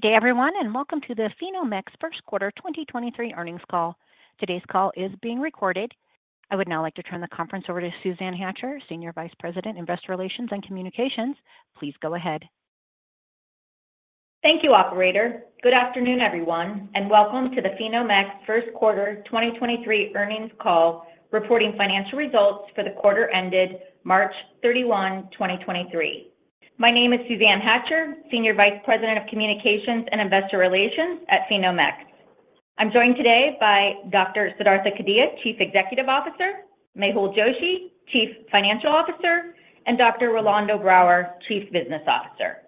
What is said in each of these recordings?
Good day everyone. Welcome to the PhenomeX First Quarter 2023 EarningsCcall. Today's call is being recorded. I would now like to turn the conference over to Suzanne Hatcher, Senior Vice President, Investor Relations and Communications. Please go ahead. Thank you, operator. Good afternoon, everyone. Welcome to the PhenomeX First Quarter 2023 Earnings Call, reporting financial results for the quarter ended March 31, 2023. My name is Suzanne Hatcher, Senior Vice President of Communications and Investor Relations at PhenomeX. I'm joined today by Dr. Siddhartha Kedia, Chief Executive Officer, Mehul Joshi, Chief Financial Officer, and Dr. Rolando Brawer, Chief Business Officer.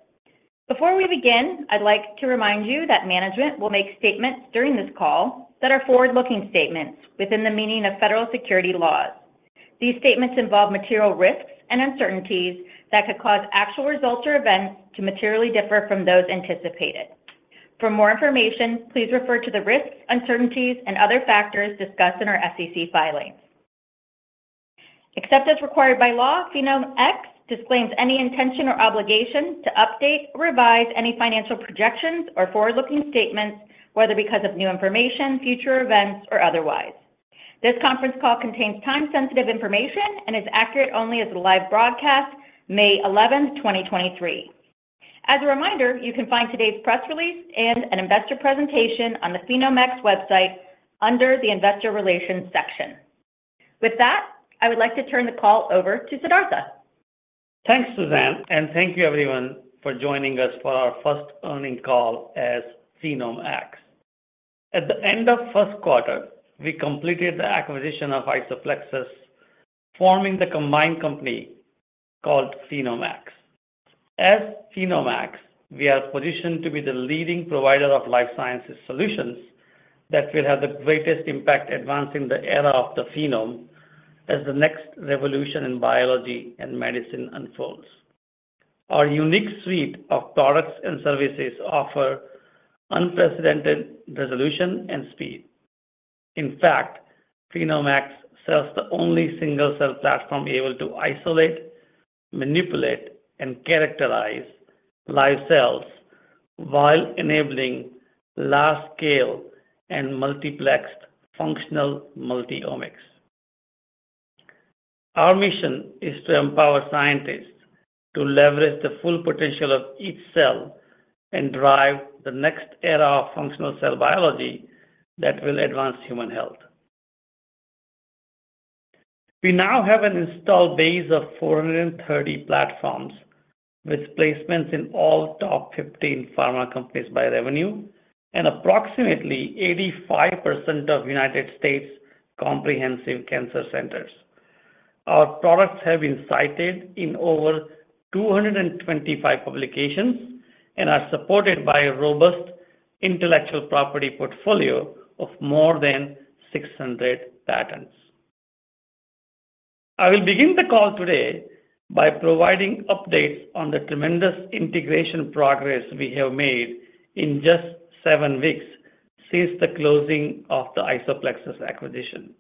Before we begin, I'd like to remind you that management will make statements during this call that are forward-looking statements within the meaning of federal security laws. These statements involve material risks and uncertainties that could cause actual results or events to materially differ from those anticipated. For more information, please refer to the risks, uncertainties and other factors discussed in our SEC filings. Except as required by law, PhenomeX disclaims any intention or obligation to update or revise any financial projections or forward-looking statements, whether because of new information, future events, or otherwise. This conference call contains time-sensitive information and is accurate only as of the live broadcast 11 May 2023. As a reminder, you can find today's press release and an investor presentation on the PhenomeX website under the Investor Relations section. With that, I would like to turn the call over to Siddhartha. Thanks, Suzanne. Thank you everyone for joining us for our first earning call as PhenomeX. At the end of first quarter, we completed the acquisition of IsoPlexis, forming the combined company called PhenomeX. As PhenomeX, we are positioned to be the leading provider of life sciences solutions that will have the greatest impact advancing the era of the phenome as the next revolution in biology and medicine unfolds. Our unique suite of products and services offer unprecedented resolution and speed. In fact, PhenomeX sells the only single-cell platform able to isolate, manipulate, and characterize live cells while enabling large scale and multiplexed functional multi-omics. Our mission is to empower scientists to leverage the full potential of each cell and drive the next era of functional cell biology that will advance human health. We now have an installed base of 430 platforms with placements in all top 15 pharma companies by revenue and approximately 85% of United States comprehensive cancer centers. Our products have been cited in over 225 publications and are supported by a robust intellectual property portfolio of more than 600 patents. I will begin the call today by providing updates on the tremendous integration progress we have made in just seven weeks since the closing of the IsoPlexis acquisition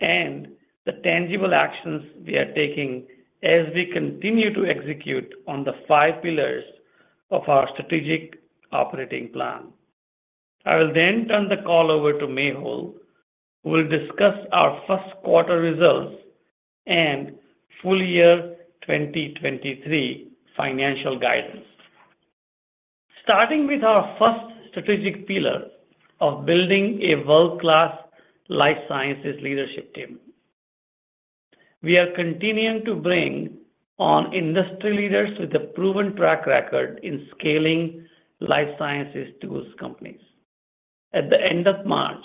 and the tangible actions we are taking as we continue to execute on the five pillars of our strategic operating plan. I will then turn the call over to Mehul, who will discuss our first quarter results and full year 2023 financial guidance. Starting with our first strategic pillar of building a world-class life sciences leadership team, we are continuing to bring on industry leaders with a proven track record in scaling life sciences tools companies. At the end of March,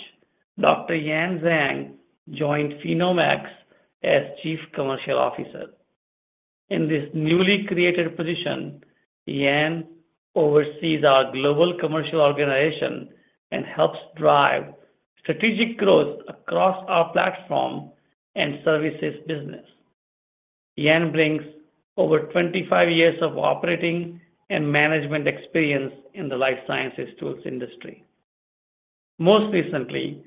Dr. Yan Zhang joined PhenomeX as Chief Commercial Officer. In this newly created position, Yan oversees our global commercial organization and helps drive strategic growth across our platform and services business. Yan brings over 25 years of operating and management experience in the life sciences tools industry. Most recently,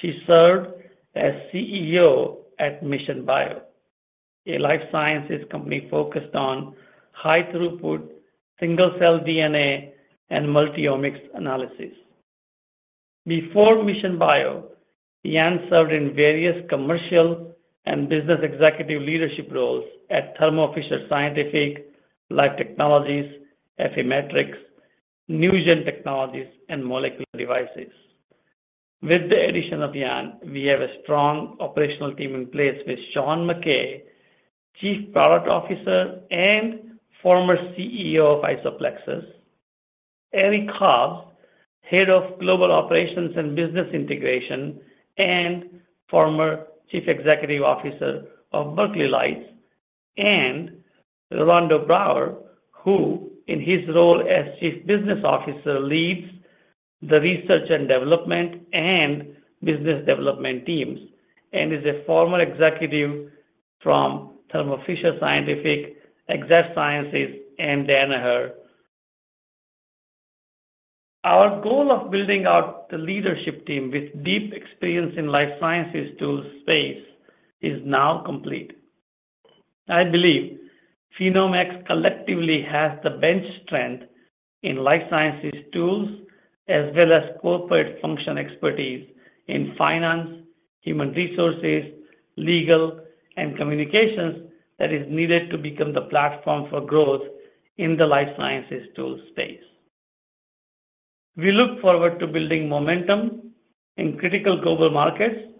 she served as CEO at Mission Bio, a life sciences company focused on high-throughput, single-cell DNA and multi-omics analysis. Before Mission Bio, Yan served in various commercial and business executive leadership roles at Thermo Fisher Scientific, Life Technologies, Affymetrix, NuGen Technologies, and Molecular Devices. With the addition of Yan, we have a strong operational team in place with Sean Mackay, Chief Product Officer and former CEO of IsoPlexis, Eric Hobbs, Head of Global Operations and Business Integration and former Chief Executive Officer of Berkeley Lights, Rolando Brawer, who, in his role as Chief Business Officer, leads the research and development and business development teams and is a former executive from Thermo Fisher Scientific, Exact Sciences, and Danaher. Our goal of building out the leadership team with deep experience in life sciences tools space is now complete. I believe PhenomeX collectively has the bench strength in life sciences tools as well as corporate function expertise in finance, human resources, legal, and communications that is needed to become the platform for growth in the life sciences tool space. We look forward to building momentum in critical global markets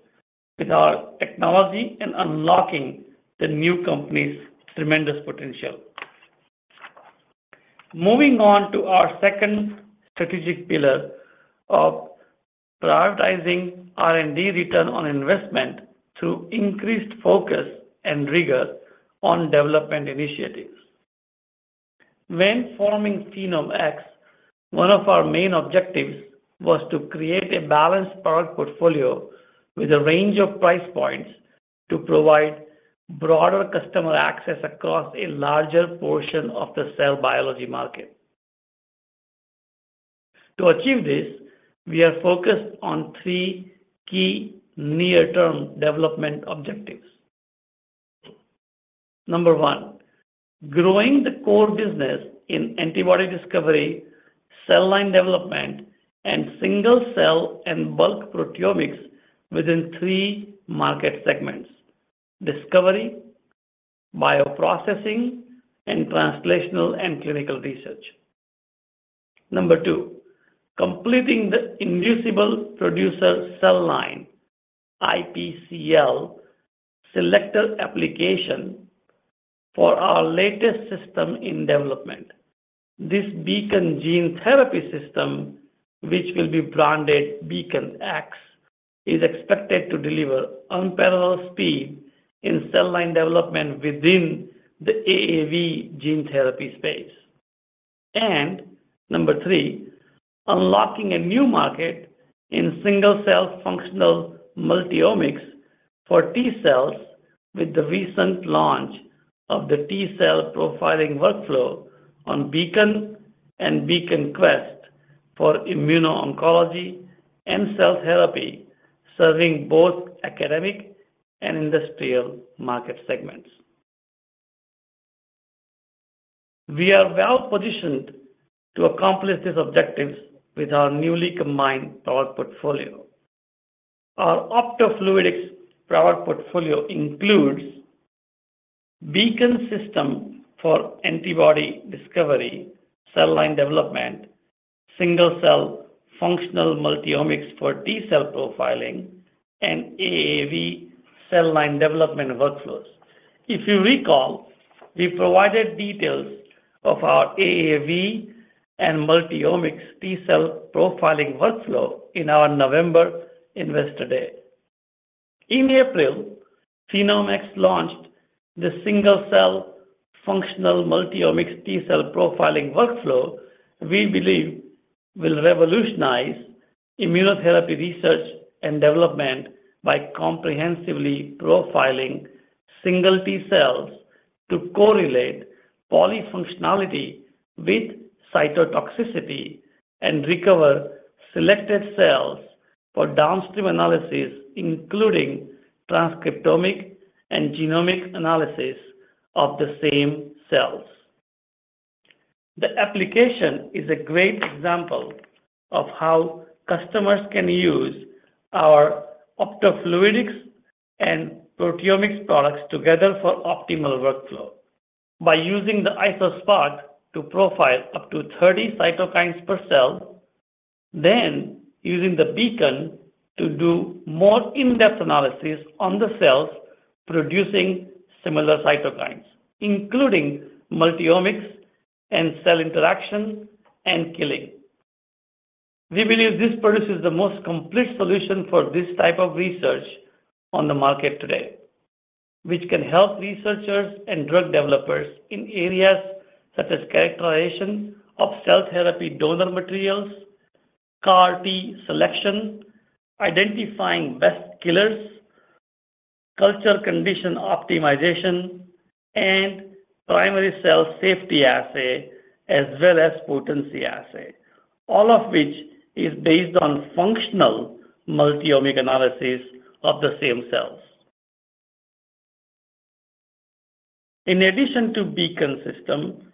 with our technology and unlocking the new company's tremendous potential. Moving on to our second strategic pillar of prioritizing R&D return on investment through increased focus and rigor on development initiatives. When forming PhenomeX, one of our main objectives was to create a balanced product portfolio with a range of price points to provide broader customer access across a larger portion of the cell biology market. To achieve this, we are focused on three key near-term development objectives. One growing the core business in antibody discovery, cell line development, and single-cell and bulk proteomics within three market segments: discovery, bioprocessing, and translational and clinical research. Two completing the Inducible Producer Cell Line, IPCL, selector application for our latest system in development. Number three, unlocking a new market in single-cell functional multi-omics for T cells with the recent launch of the T cell profiling workflow on Beacon and Beacon Quest for immuno-oncology and cell therapy, serving both academic and industrial market segments. We are well-positioned to accomplish these objectives with our newly combined product portfolio. Our optofluidics product portfolio includes Beacon system for antibody discovery, cell line development, single-cell functional multi-omics for T cell profiling, and AAV cell line development workflows. If you recall, we provided details of our AAV and multi-omics T cell profiling workflow in our November Investor Day. In April, PhenomeX launched the single-cell functional multi-omics T cell profiling workflow we believe will revolutionize immunotherapy research and development by comprehensively profiling single T cells to correlate polyfunctionality with cytotoxicity and recover selected cells for downstream analysis, including transcriptomic and genomic analysis of the same cells. The application is a great example of how customers can use our optofluidics and proteomics products together for optimal workflow by using the IsoSpark to profile up to 30 cytokines per cell, then using the Beacon to do more in-depth analysis on the cells producing similar cytokines, including multi-omics and cell interaction and killing. We believe this produces the most complete solution for this type of research on the market today, which can help researchers and drug developers in areas such as characterization of cell therapy donor materials, CAR T selection, identifying best killers, culture condition optimization, and primary cell safety assay, as well as potency assay, all of which is based on functional multi-omic analysis of the same cells. In addition to Beacon system,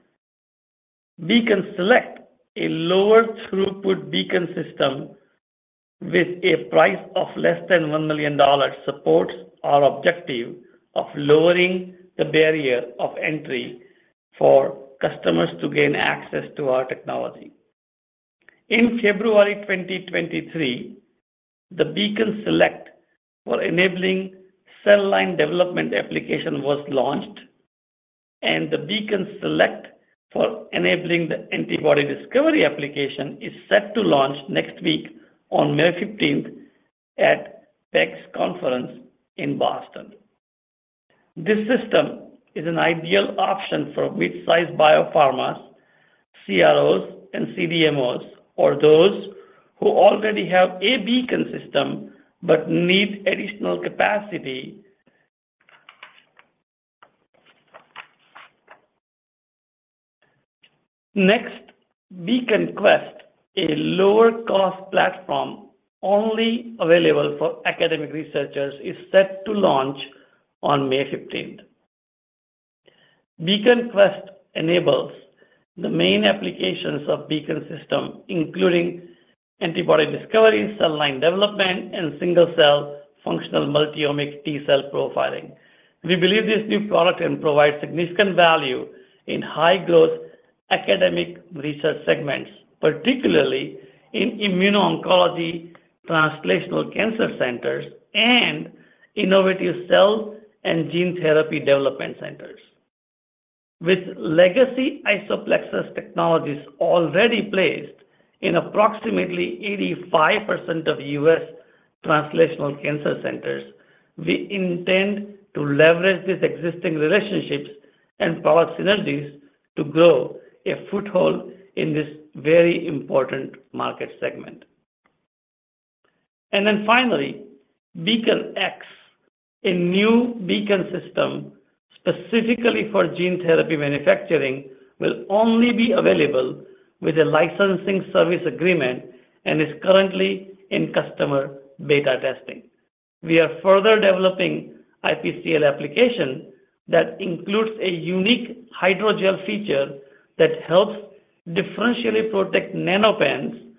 Beacon Select, a lower throughput Beacon system with a price of less than $1 million, supports our objective of lowering the barrier of entry for customers to gain access to our technology. In February 2023, the Beacon Select for enabling cell line development application was launched, and the Beacon Select for enabling the antibody discovery application is set to launch next week on 15th May at PEGS Boston Conference in Boston. This system is an ideal option for mid-sized biopharmas, CROs, and CDMOs, or those who already have a Beacon system but need additional capacity. Next, Beacon Quest, a lower cost platform only available for academic researchers, is set to launch on May 15th. Beacon Quest enables the main applications of Beacon system, including antibody discovery, cell line development, and single-cell functional multi-omic T-cell profiling. We believe this new product can provide significant value in high-growth academic research segments, particularly in immuno-oncology, translational cancer centers, and innovative cell and gene therapy development centers. With legacy IsoPlexis technologies already placed in approximately 85% of US translational cancer centers, we intend to leverage these existing relationships and power synergies to grow a foothold in this very important market segment. Finally, Beacon X, a new Beacon system specifically for gene therapy manufacturing, will only be available with a licensing service agreement and is currently in customer beta testing. We are further developing IPCL application that includes a unique hydrogel feature that helps differentially protect NanoPen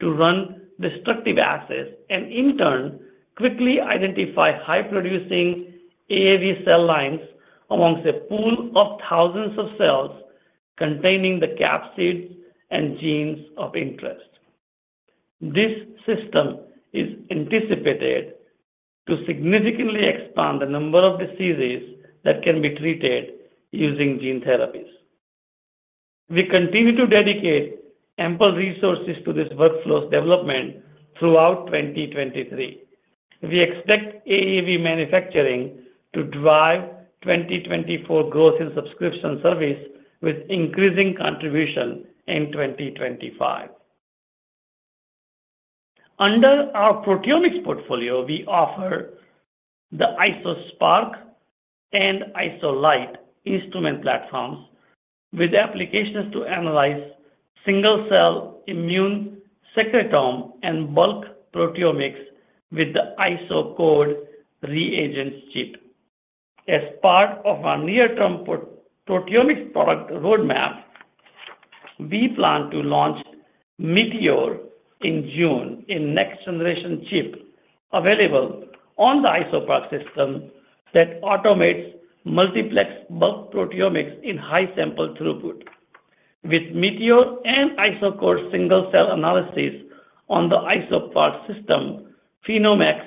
to run destructive assays, in turn, quickly identify high-producing AAV cell lines amongst a pool of thousands of cells containing the capsids and genes of interest. This system is anticipated to significantly expand the number of diseases that can be treated using gene therapies. We continue to dedicate ample resources to this workflow's development throughout 2023. We expect AAV manufacturing to drive 2024 growth in subscription service with increasing contribution in 2025. Under our proteomics portfolio, we offer the IsoSpark and IsoLight instrument platforms with applications to analyze single-cell immune secretome and bulk proteomics with the IsoCode Reagents chip. As part of our near-term proteomics product roadmap, we plan to launch Meteor in June, a next-generation chip available on the IsoSpark system that automates multiplex bulk proteomics in high sample throughput. With Meteor and IsoCode single-cell analysis on the IsoSpark system, PhenomeX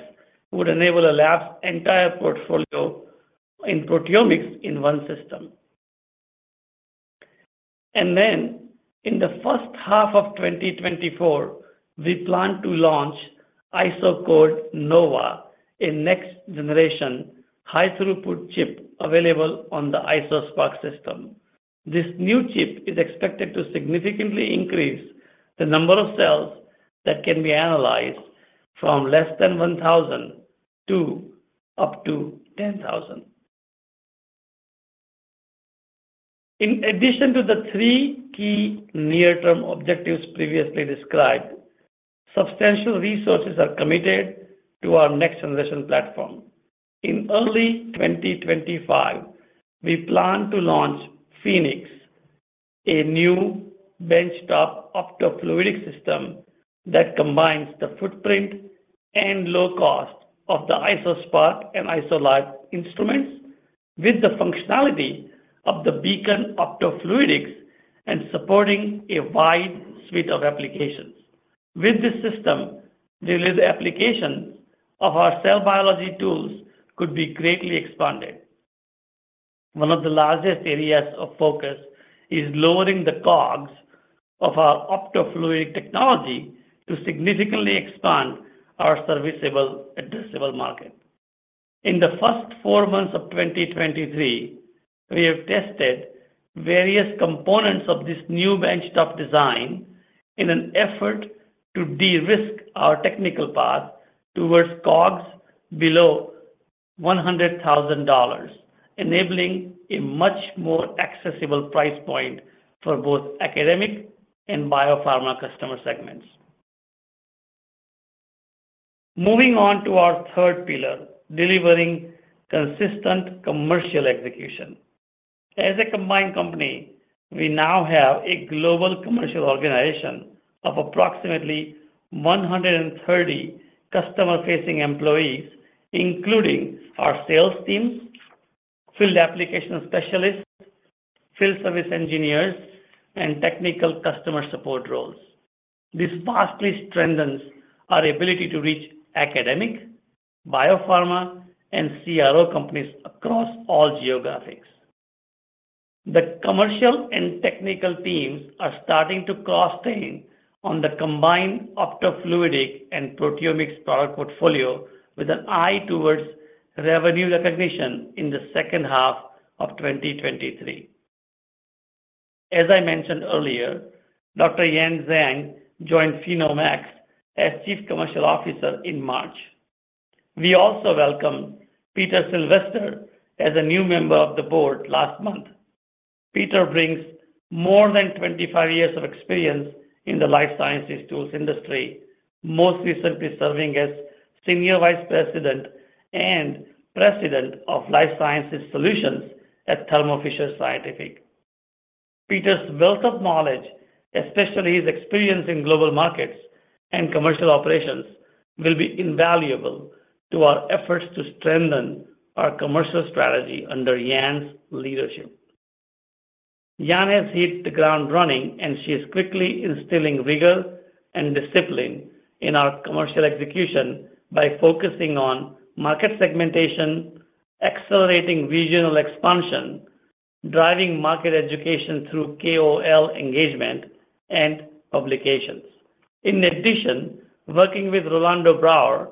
would enable a lab's entire portfolio in proteomics in one system. In the first half of 2024, we plan to launch IsoCode Nova, a next-generation high-throughput chip available on the IsoSpark system. This new chip is expected to significantly increase the number of cells that can be analyzed from less than 1,000 to up to 10,000. In addition to the 3 key near-term objectives previously described, substantial resources are committed to our next-generation platform. In early 2025, we plan to launch Phoenix, a new benchtop optofluidic system that combines the footprint and low cost of the IsoSpark and IsoLight instruments with the functionality of the Beacon optofluidics and supporting a wide suite of applications. With this system, the application of our cell biology tools could be greatly expanded. One of the largest areas of focus is lowering the COGS of our optofluidic technology to significantly expand our serviceable addressable market. In the first four months of 2023, we have tested various components of this new benchtop design in an effort to de-risk our technical path towards COGS below $100,000, enabling a much more accessible price point for both academic and biopharma customer segments. Moving on to our third pillar, delivering consistent commercial execution. As a combined company, we now have a global commercial organization of approximately 130 customer-facing employees, including our sales teams, field application specialists, field service engineers, and technical customer support roles. This vastly strengthens our ability to reach academic, biopharma, and CRO companies across all geographics. The commercial and technical teams are starting to cross-train on the combined optofluidic and proteomics product portfolio with an eye towards revenue recognition in the second half of 2023. As I mentioned earlier, Dr. Yan Zhang joined PhenomeX as Chief Commercial Officer in March. We also welcomed Peter Silvester as a new member of the board last month. Peter brings more than 25 years of experience in the life sciences tools industry, most recently serving as Senior Vice President and President of Life Sciences Solutions at Thermo Fisher Scientific. Peter's wealth of knowledge, especially his experience in global markets and commercial operations, will be invaluable to our efforts to strengthen our commercial strategy under Yan's leadership. Yan has hit the ground running, and she is quickly instilling rigor and discipline in our commercial execution by focusing on market segmentation, accelerating regional expansion, driving market education through KOL engagement and publications. In addition, working with Rolando Brower,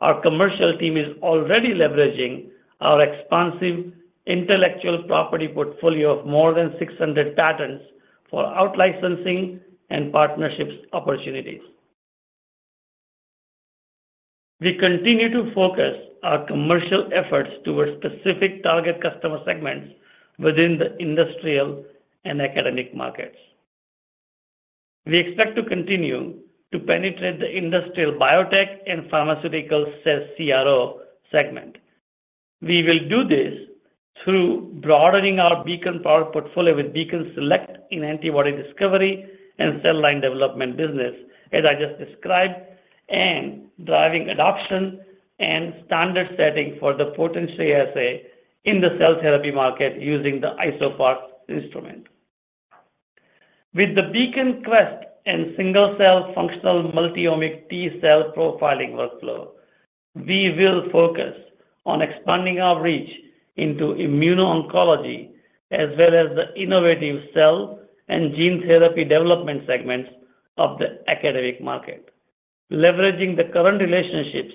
our commercial team is already leveraging our expansive intellectual property portfolio of more than 600 patents for out-licensing and partnerships opportunities. We continue to focus our commercial efforts towards specific target customer segments within the industrial and academic markets. We expect to continue to penetrate the industrial biotech and pharmaceutical cell CRO segment. We will do this through broadening our Beacon Power portfolio with Beacon Select in antibody discovery and cell line development business, as I just described, and driving adoption and standard setting for the Potency assay in the cell therapy market using the IsoSpark instrument. With the Beacon Quest and single-cell functional multi-omic T-cell profiling workflow, we will focus on expanding our reach into immuno-oncology, as well as the innovative cell and gene therapy development segments of the academic market, leveraging the current relationships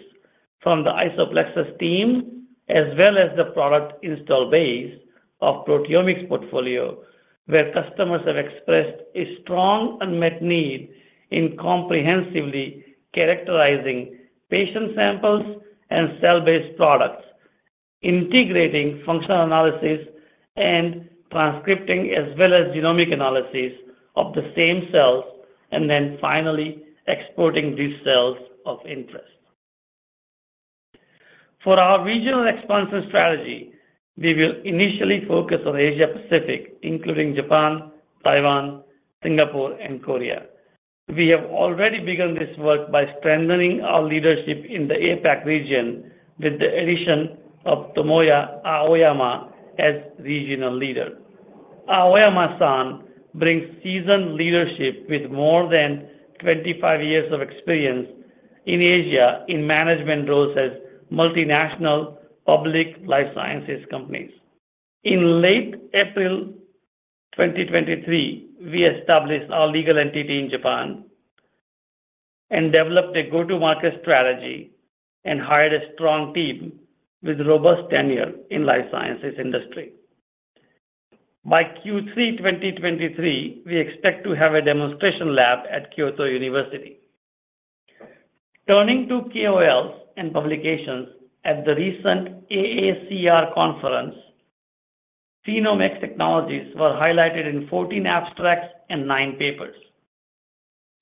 from the IsoPlexis team, as well as the product install base of proteomics portfolio, where customers have expressed a strong unmet need in comprehensively characterizing patient samples and cell-based products, integrating functional analysis and transcripting, as well as genomic analysis of the same cells, and then finally exporting these cells of interest. For our regional expansion strategy, we will initially focus on Asia Pacific, including Japan, Taiwan, Singapore, and Korea. We have already begun this work by strengthening our leadership in the APAC region with the addition of Tomoya Aoyama as regional leader. Aoyama-san brings seasoned leadership with more than 25 years of experience in Asia in management roles at multinational public life sciences companies. In late April 2023, we established our legal entity in Japan and developed a go-to-market strategy and hired a strong team with robust tenure in life sciences industry. By Q3 2023, we expect to have a demonstration lab at Kyoto University. Turning to KOLs and publications at the recent AACR conference, PhenomeX technologies were highlighted in 14 abstracts and nine papers.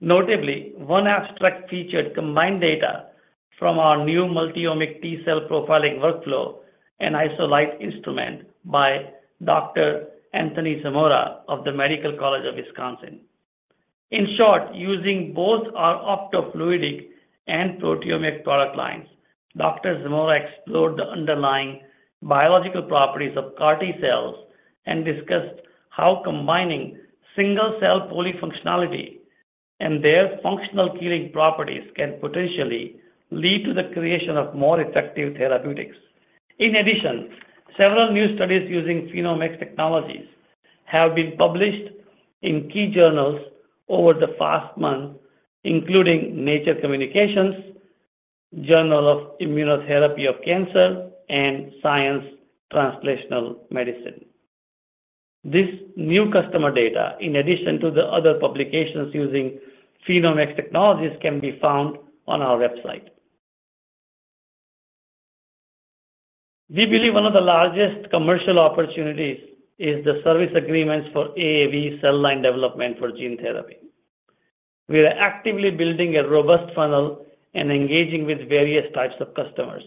Notably, one abstract featured combined data from our new multi-omic T-cell profiling workflow and IsoLight instrument by Dr. Anthony Zamora of the Medical College of Wisconsin. In short, using both our optofluidic and proteomic product lines, Dr. Anthony Zamora explored the underlying biological properties of CAR T-cells and discussed how combining single-cell polyfunctionality and their functional killing properties can potentially lead to the creation of more effective therapeutics. Several new studies using PhenomeX technologies have been published in key journals over the past month, including Nature Communications, Journal for ImmunoTherapy of Cancer, and Science Translational Medicine. This new customer data, in addition to the other publications using PhenomeX technologies, can be found on our website. We believe one of the largest commercial opportunities is the service agreements for AAV cell line development for gene therapy. We are actively building a robust funnel and engaging with various types of customers.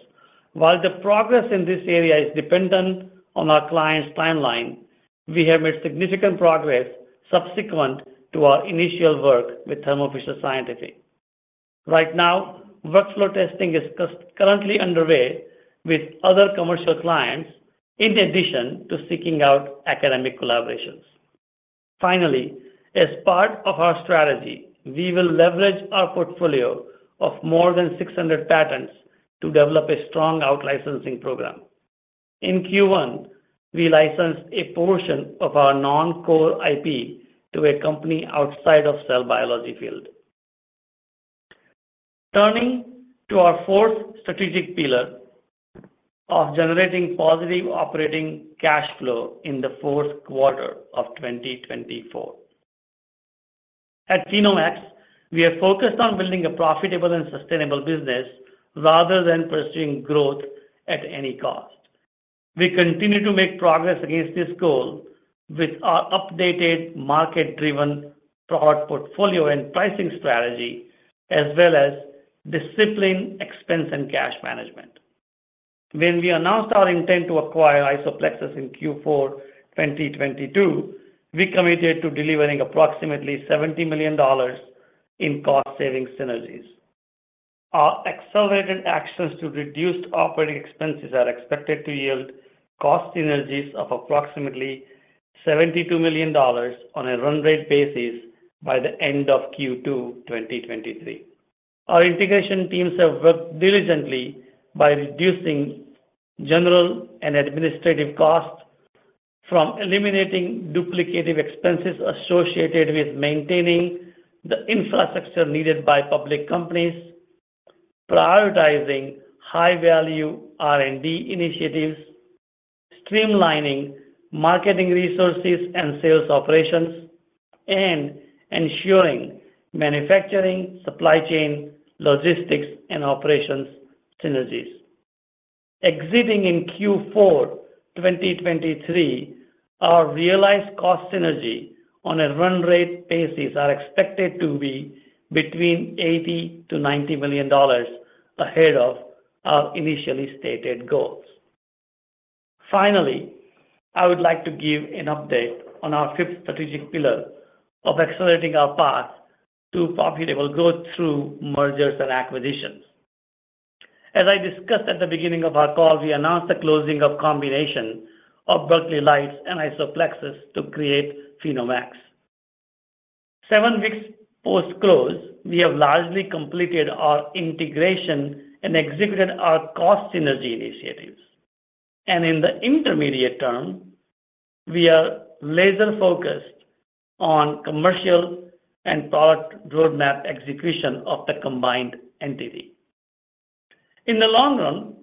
While the progress in this area is dependent on our clients' timeline, we have made significant progress subsequent to our initial work with Thermo Fisher Scientific. Right now, workflow testing is currently underway with other commercial clients in addition to seeking out academic collaborations. Finally, as part of our strategy, we will leverage our portfolio of more than 600 patents to develop a strong out-licensing program. In Q1, we licensed a portion of our non-core IP to a company outside of cell biology field. Turning to our 4th strategic pillar of generating positive operating cash flow in the 4th quarter of 2024. At PhenomeX, we are focused on building a profitable and sustainable business rather than pursuing growth at any cost. We continue to make progress against this goal with our updated market-driven product portfolio and pricing strategy as well as disciplined expense and cash management. When we announced our intent to acquire IsoPlexis in Q4 2022, we committed to delivering approximately $70 million in cost saving synergies. Our accelerated actions to reduce operating expenses are expected to yield cost synergies of approximately $72 million on a run rate basis by the end of Q2 2023. Our integration teams have worked diligently by reducing general and administrative costs from eliminating duplicative expenses associated with maintaining the infrastructure needed by public companies, prioritizing high-value R&D initiatives, streamlining marketing resources and sales operations, and ensuring manufacturing, supply chain, logistics, and operations synergies. Exiting in Q4 2023, our realized cost synergy on a run rate basis are expected to be between $80 million to $90 million ahead of our initially stated goals. Finally, I would like to give an update on our fifth strategic pillar of accelerating our path to profitable growth through mergers and acquisitions. As I discussed at the beginning of our call, we announced the closing of combination of Berkeley Lights and IsoPlexis to create PhenomeX. Seven weeks post-close, we have largely completed our integration and executed our cost synergy initiatives. In the intermediate term, we are laser-focused on commercial and product roadmap execution of the combined entity. In the long run,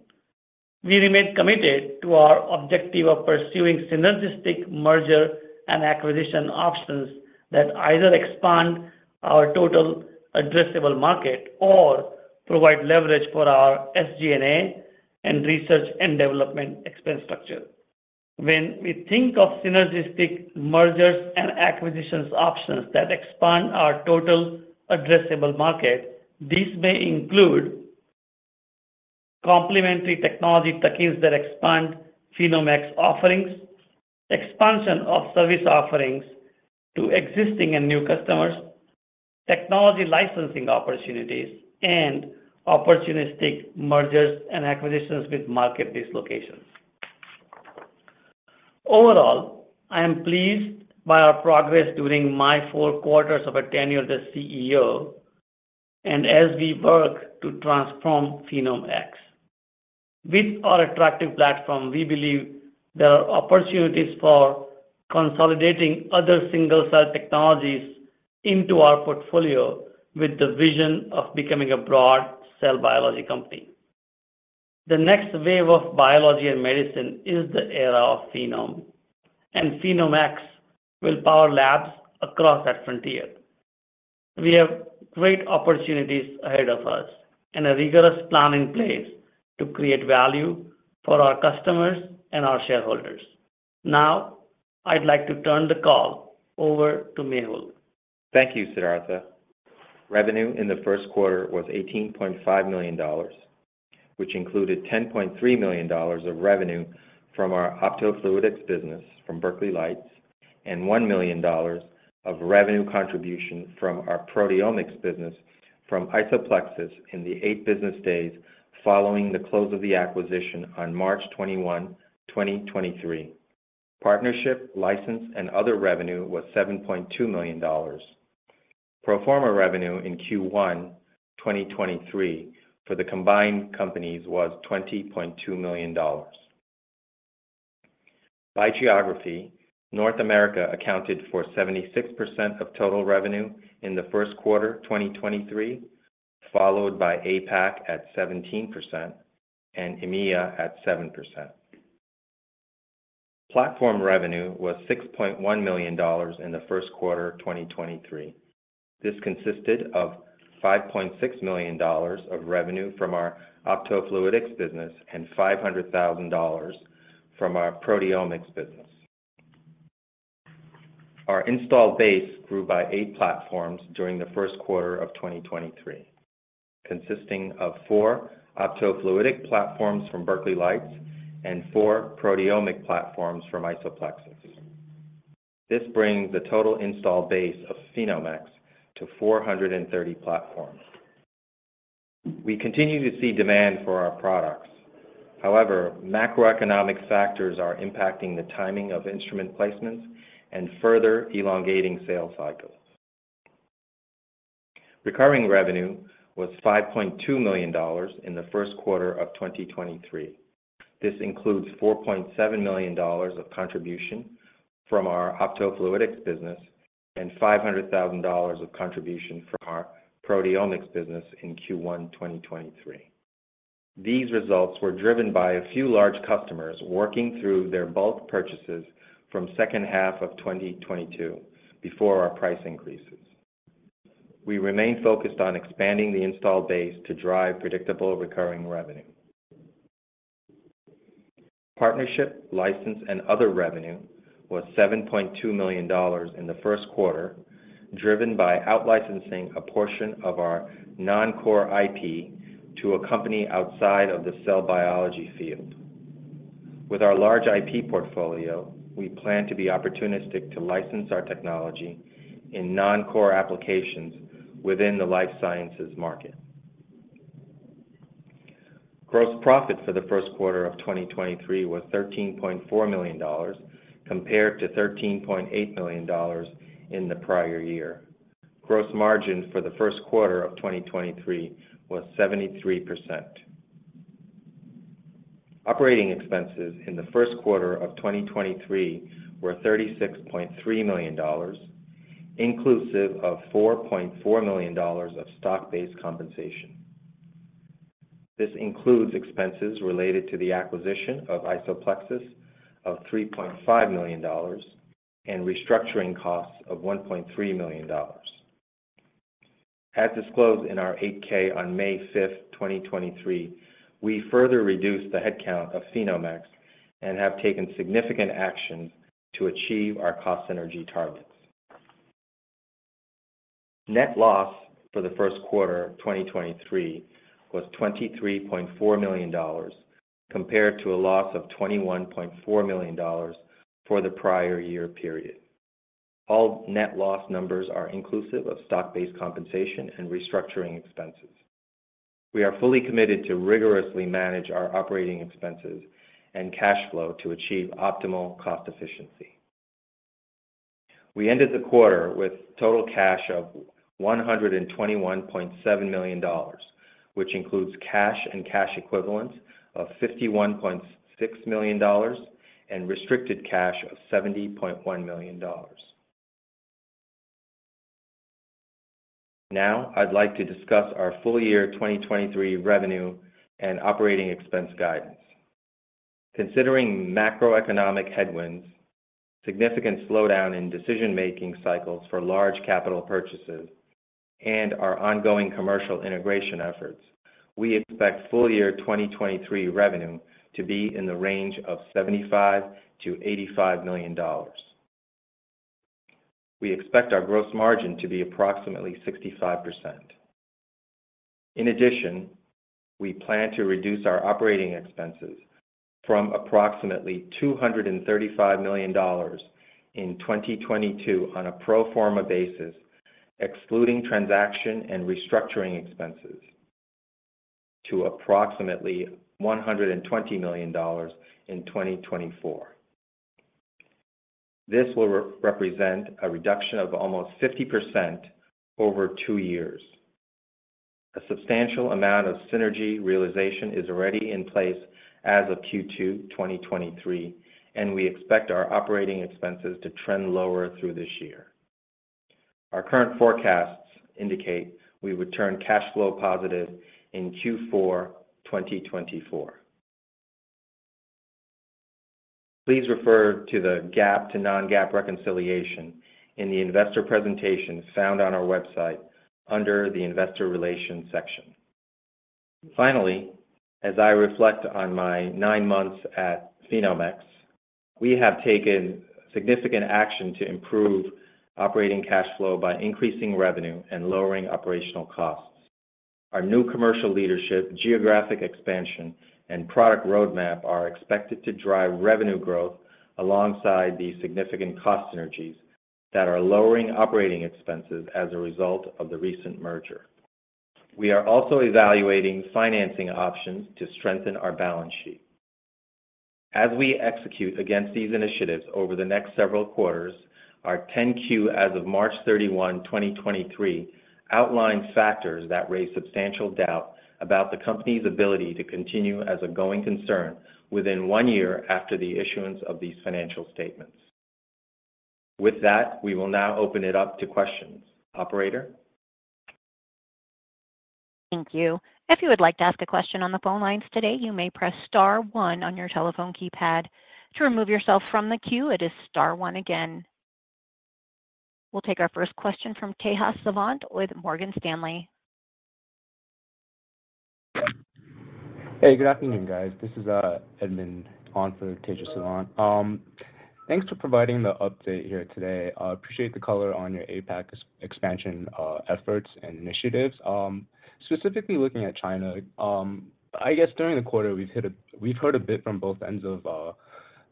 we remain committed to our objective of pursuing synergistic merger and acquisition options that either expand our total addressable market or provide leverage for our SG&A and research and development expense structure. When we think of synergistic mergers and acquisitions options that expand our total addressable market, these may include complementary technology techies that expand PhenomeX offerings, expansion of service offerings to existing and new customers, technology licensing opportunities, and opportunistic mergers and acquisitions with market dislocations. Overall, I am pleased by our progress during my four quarters of a tenure as the CEO and as we work to transform PhenomeX. With our attractive platform, we believe there are opportunities for consolidating other single-cell technologies into our portfolio with the vision of becoming a broad cell biology company. The next wave of biology and medicine is the era of phenome, and PhenomeX will power labs across that frontier. We have great opportunities ahead of us and a rigorous plan in place to create value for our customers and our shareholders. Now, I'd like to turn the call over to Mehul. Thank you, Siddhartha. Revenue in the first quarter was $18.5 million, which included $10.3 million of revenue from our optofluidics business from Berkeley Lights and $1 million of revenue contribution from our proteomics business from IsoPlexis in the 8 business days following the close of the acquisition on March 21, 2023. Partnership, license, and other revenue was $7.2 million. Pro forma revenue in Q1 2023 for the combined companies was $20.2 million. By geography, North America accounted for 76% of total revenue in the first quarter 2023, followed by APAC at 17% and EMEA at 7%. Platform revenue was $6.1 million in the first quarter 2023. This consisted of $5.6 million of revenue from our optofluidics business and $500,000 from our proteomics business. Our installed base grew by eight platforms during the first quarter of 2023, consisting of four optofluidic platforms from Berkeley Lights and four proteomic platforms from IsoPlexis. This brings the total installed base of PhenomeX to 430 platforms. We continue to see demand for our products. However, macroeconomic factors are impacting the timing of instrument placements and further elongating sales cycles. Recurring revenue was $5.2 million in the first quarter of 2023. This includes $4.7 million of contribution from our optofluidics business and $500,000 of contribution from our proteomics business in Q1 2023. These results were driven by a few large customers working through their bulk purchases from second half of 2022 before our price increases. We remain focused on expanding the install base to drive predictable recurring revenue. Partnership, license, and other revenue was $7.2 million in the first quarter, driven by out-licensing a portion of our non-core IP to a company outside of the cell biology field. With our large IP portfolio, we plan to be opportunistic to license our technology in non-core applications within the life sciences market. Gross profit for the first quarter of 2023 was $13.4 million compared to $13.8 million in the prior year. Gross margin for the first quarter of 2023 was 73%. Operating expenses in the first quarter of 2023 were $36.3 million, inclusive of $4.4 million of stock-based compensation. This includes expenses related to the acquisition of IsoPlexis of $3.5 million and restructuring costs of $1.3 million. As disclosed in our 8-K on 5 May, 2023, we further reduced the headcount of PhenomeX and have taken significant action to achieve our cost synergy targets. Net loss for the first quarter of 2023 was $23.4 million compared to a loss of $21.4 million for the prior year period. All net loss numbers are inclusive of stock-based compensation and restructuring expenses. We are fully committed to rigorously manage our operating expenses and cash flow to achieve optimal cost efficiency. We ended the quarter with total cash of $121.7 million, which includes cash and cash equivalents of $51.6 million and restricted cash of $70.1 million. I'd like to discuss our full year 2023 revenue and operating expense guidance. Considering macroeconomic headwinds, significant slowdown in decision-making cycles for large capital purchases, and our ongoing commercial integration efforts, we expect full year 2023 revenue to be in the range of $75 million to $85 million. We expect our gross margin to be approximately 65%. We plan to reduce our operating expenses from approximately $235 million in 2022 on a pro forma basis, excluding transaction and restructuring expenses, to approximately $120 million in 2024. This will re-represent a reduction of almost 50% over two years. A substantial amount of synergy realization is already in place as of Q2 2023, and we expect our operating expenses to trend lower through this year. Our current forecasts indicate we would turn cash flow positive in Q4 2024. Please refer to the GAAP to non-GAAP reconciliation in the investor presentation found on our website under the Investor Relations section. Finally, as I reflect on my 9 months at PhenomeX, we have taken significant action to improve operating cash flow by increasing revenue and lowering operational costs. Our new commercial leadership, geographic expansion, and product roadmap are expected to drive revenue growth alongside the significant cost synergies that are lowering operating expenses as a result of the recent merger. We are also evaluating financing options to strengthen our balance sheet. As we execute against these initiatives over the next several quarters, our 10-Q as of March 31, 2023 outlines factors that raise substantial doubt about the company's ability to continue as a going concern within one year after the issuance of these financial statements. With that, we will now open it up to questions. Operator? Thank you. If you would like to ask a question on the phone lines today, you may press star one on your telephone keypad. To remove yourself from the queue, it is star one again. We'll take our first question from Tejas Savant with Morgan Stanley. Hey, good afternoon, guys. This is Edmund on for Tejas Savant. Thanks for providing the update here today. I appreciate the color on your APAC ex-expansion efforts and initiatives. Specifically looking at China, I guess during the quarter, we've heard a bit from both ends of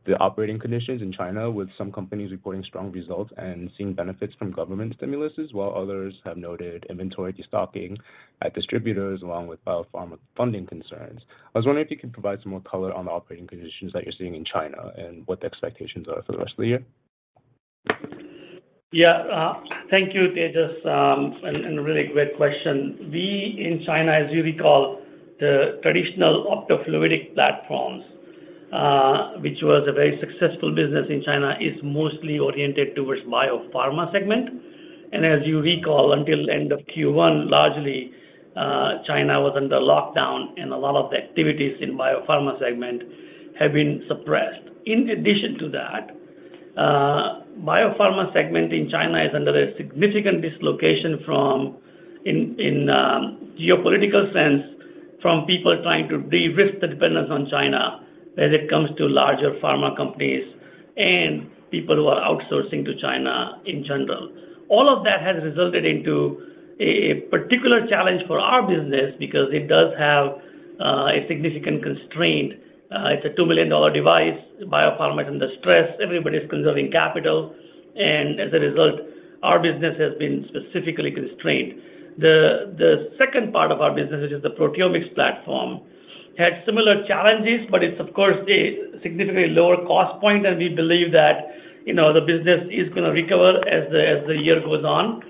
the operating conditions in China with some companies reporting strong results and seeing benefits from government stimuluses, while others have noted inventory de-stocking at distributors along with biopharma funding concerns. I was wondering if you could provide some more color on the operating conditions that you're seeing in China and what the expectations are for the rest of the year. Yeah. Thank you, Tejas, and a really great question. We, in China, as you recall, the traditional optofluidic platforms Which was a very successful business in China, is mostly oriented towards biopharma segment. As you recall, until end of Q1, largely, China was under lockdown, and a lot of the activities in biopharma segment have been suppressed. In addition to that, biopharma segment in China is under a significant dislocation in geopolitical sense, from people trying to de-risk the dependence on China as it comes to larger pharma companies and people who are outsourcing to China in general. All of that has resulted into a particular challenge for our business because it does have a significant constraint. It's a $2 million device. Biopharma is under stress. Everybody's conserving capital. As a result, our business has been specifically constrained. The second part of our business, which is the proteomics platform, had similar challenges, it's of course a significantly lower cost point, and we believe that, you know, the business is gonna recover as the year goes on.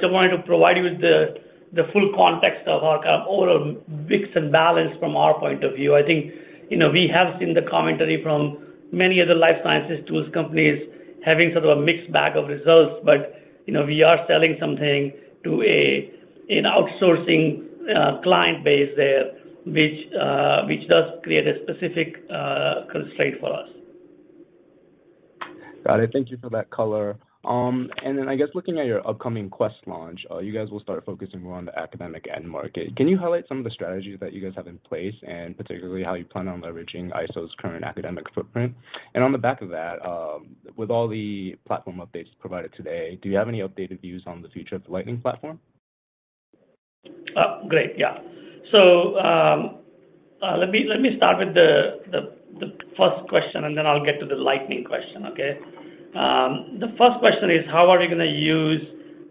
Just wanted to provide you with the full context of our kind of overall mix and balance from our point of view. I think, you know, we have seen the commentary from many of the life sciences tools companies having sort of a mixed bag of results. You know, we are selling something to an outsourcing client base there which does create a specific constraint for us. Got it. Thank you for that color. I guess looking at your upcoming Quest launch, you guys will start focusing more on the academic end market. Can you highlight some of the strategies that you guys have in place, and particularly how you plan on leveraging Iso's current academic footprint? On the back of that, with all the platform updates provided today, do you have any updated views on the future of the Lightning platform? Great, yeah. Let me, let me start with the first question, and then I'll get to the Lightning question, okay. The first question is how are we gonna use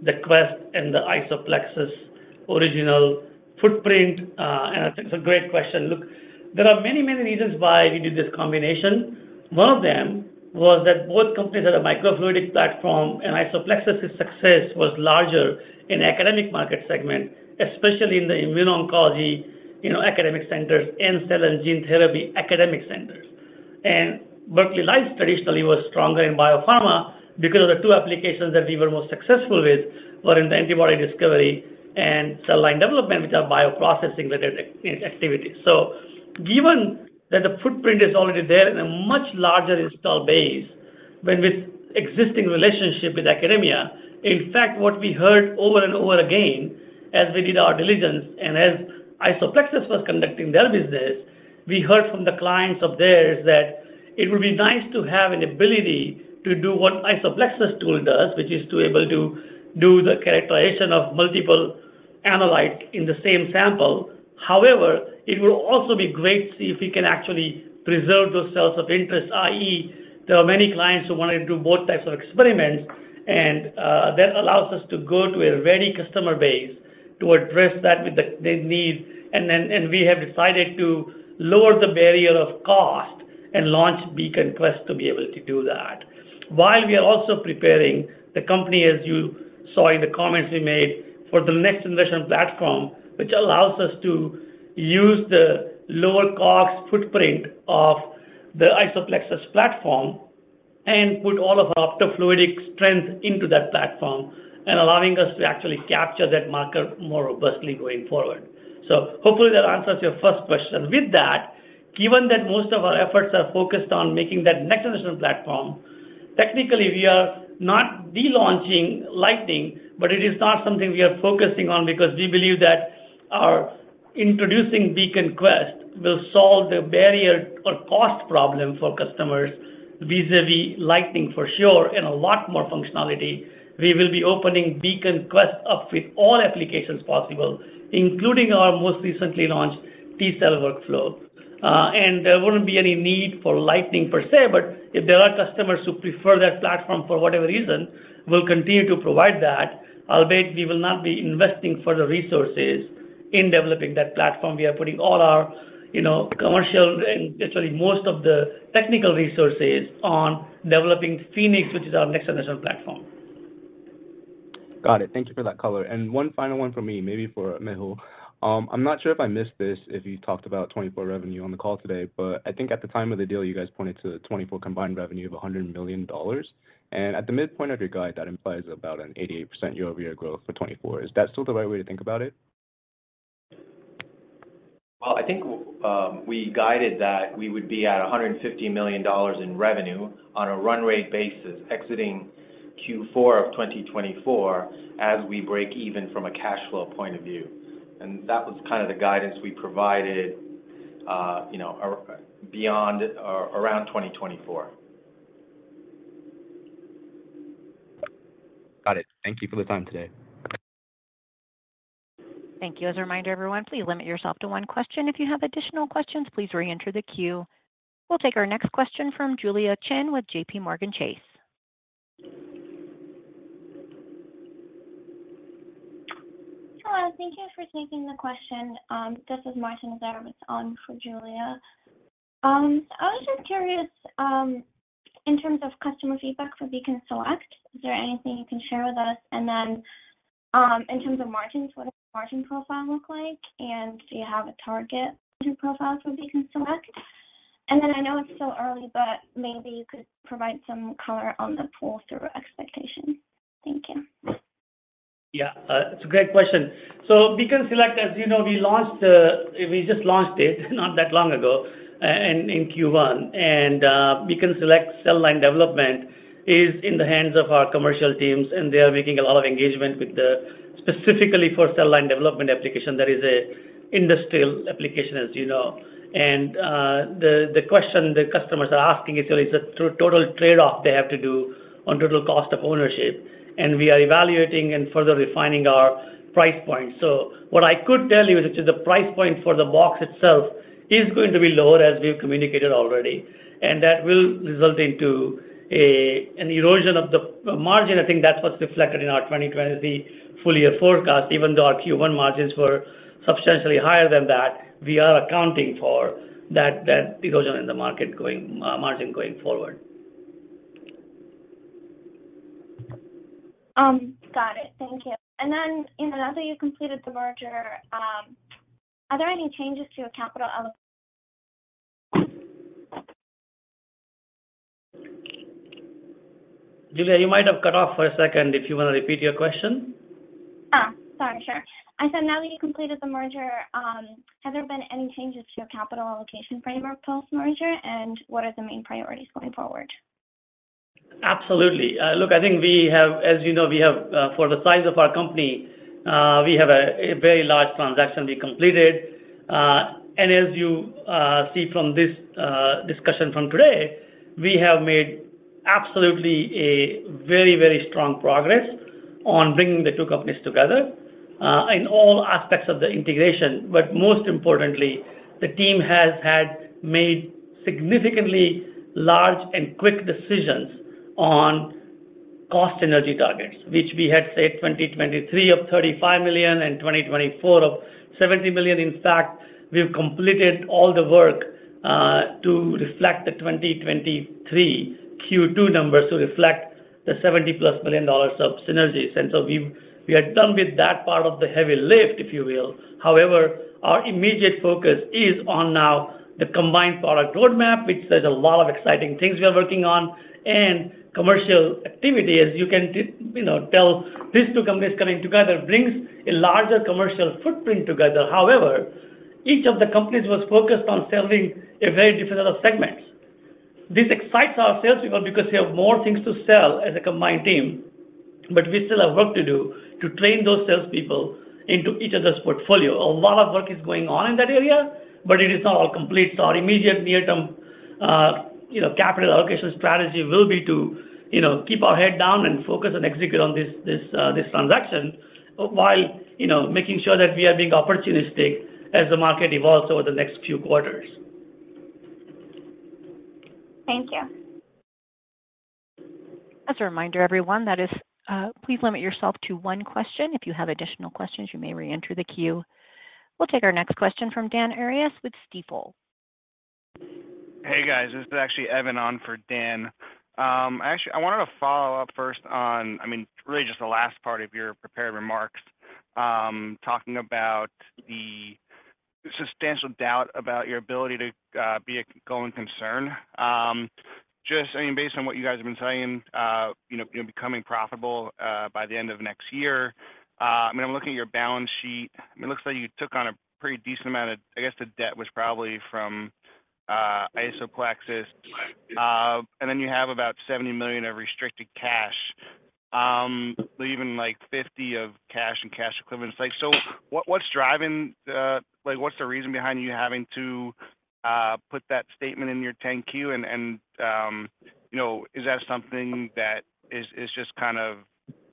the Quest and the IsoPlexis original footprint? I think it's a great question. Look, there are many, many reasons why we did this combination. One of them was that both companies had a microfluidic platform, and IsoPlexis's success was larger in academic market segment, especially in the immuno-oncology, you know, academic centers and cell and gene therapy academic centers. Berkeley Lights traditionally was stronger in biopharma because of the two applications that we were most successful with were in the antibody discovery and cell line development, which are bioprocessing related activities. Given that the footprint is already there in a much larger install base when with existing relationship with academia, in fact, what we heard over and over again as we did our diligence and as IsoPlexis was conducting their business, we heard from the clients of theirs that it would be nice to have an ability to do what IsoPlexis tool does, which is to able to do the characterization of multiple analyte in the same sample. However, it will also be great to see if we can actually preserve those cells of interest, i.e., there are many clients who wanna do both types of experiments and that allows us to go to a ready customer base to address that with the needs. We have decided to lower the barrier of cost and launch Beacon Quest to be able to do that. We are also preparing the company, as you saw in the comments we made, for the next generation platform, which allows us to use the lower cost footprint of the IsoPlexis platform and put all of our fluidic strength into that platform and allowing us to actually capture that marker more robustly going forward. Hopefully that answers your first question. With that, given that most of our efforts are focused on making that next generation platform, technically, we are not de-launching Lightning, but it is not something we are focusing on because we believe that our introducing Beacon Quest will solve the barrier or cost problem for customers vis-a-vis Lightning for sure and a lot more functionality. We will be opening Beacon Quest up with all applications possible, including our most recently launched T-cell workflow. There wouldn't be any need for Lightning per se, but if there are customers who prefer that platform for whatever reason, we'll continue to provide that. Albeit, we will not be investing further resources in developing that platform. We are putting all our, you know, commercial and literally most of the technical resources on developing Phoenix, which is our next generation platform. Got it. Thank you for that color. One final one for me, maybe for Mehul. I'm not sure if I missed this, if you talked about 2024 revenue on the call today, but I think at the time of the deal, you guys pointed to a 2024 combined revenue of $100 million. At the midpoint of your guide, that implies about an 88% year-over-year growth for 2024. Is that still the right way to think about it? Well, I think, we guided that we would be at $150 million in revenue on a run rate basis exiting Q4 of 2024 as we break even from a cash flow point of view. That was kind of the guidance we provided, you know, beyond or around 2024. Got it. Thank you for the time today. Thank you. As a reminder, everyone, please limit yourself to one question. If you have additional questions, please reenter the queue. We'll take our next question from Julia Qin with JPMorgan Chase. Hello. Thank you for taking the question. This is Harrison Katz on for Julia. I was just In terms of customer feedback for Beacon Select, is there anything you can share with us? In terms of margins, what does the margin profile look like? Do you have a target margin profile for Beacon Select? I know it's still early, but maybe you could provide some color on the pull-through expectation. Thank you. It's a great question. Beacon Select, as you know, we launched, we just launched it not that long ago in Q1. Beacon Select cell line development is in the hands of our commercial teams, and they are making a lot of engagement with the. Specifically for cell line development application, that is a industrial application, as you know. The question the customers are asking is really is the total trade-off they have to do on total cost of ownership, and we are evaluating and further refining our price point. What I could tell you is that the price point for the box itself is going to be lower, as we've communicated already. That will result into an erosion of the margin. I think that's what's reflected in our 2020 fully forecast. Even though our Q1 margins were substantially higher than that, we are accounting for that erosion in the market margin going forward. Got it. Thank you. You know, now that you've completed the merger, are there any changes to your capital? Julia, you might have cut off for a second, if you wanna repeat your question. Oh, sorry. Sure. I said now that you've completed the merger, have there been any changes to your capital allocation framework post-merger, and what are the main priorities going forward? Absolutely. Look, as you know, we have, for the size of our company, we have a very large transaction we completed. As you see from this discussion from today, we have made absolutely a very strong progress on bringing the two companies together in all aspects of the integration. Most importantly, the team has had made significantly large and quick decisions on cost synergy targets, which we had said 2023 of $35 million and 2024 of $70 million. In fact, we've completed all the work to reflect the 2023 Q2 numbers to reflect the $70+ million of synergies. We are done with that part of the heavy lift, if you will. Our immediate focus is on now the combined product roadmap, which there's a lot of exciting things we are working on, and commercial activity. As you can you know, tell, these two companies coming together brings a larger commercial footprint together. Each of the companies was focused on selling a very different set of segments. This excites our salespeople because we have more things to sell as a combined team. We still have work to do to train those salespeople into each other's portfolio. A lot of work is going on in that area. It is not all complete. Our immediate near-term, you know, capital allocation strategy will be to, you know, keep our head down and focus and execute on this transaction while, you know, making sure that we are being opportunistic as the market evolves over the next few quarters. Thank you. As a reminder, everyone, that is, please limit yourself to one question. If you have additional questions, you may reenter the queue. We'll take our next question from Dan Arias with Stifel. Hey, guys. This is actually Evan on for Dan. Actually, I wanted to follow up first on, I mean, really just the last part of your prepared remarks, talking about the substantial doubt about your ability to be a going concern. Just, I mean, based on what you guys have been saying, you know, you're becoming profitable by the end of next year. I mean, I'm looking at your balance sheet. I mean, it looks like you took on a pretty decent amount of, I guess, the debt was probably from IsoPlexis. Then you have about $70 million of restricted cash, leaving like $50 of cash and cash equivalents. What, what's driving, like, what's the reason behind you having to put that statement in your 10-Q? You know, is that something that is just kind of